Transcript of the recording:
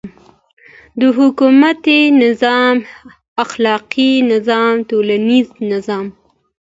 . د حکومتی نظام، اخلاقی نظام، ټولنیز نظام